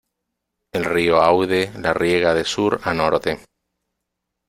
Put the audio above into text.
El río Aude la riega de sur a norte.